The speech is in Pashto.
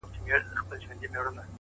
چي خپلي سپيني او رڼې اوښـكي يې!